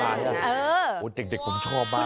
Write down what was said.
ว้าวเด็กสนชอบมาก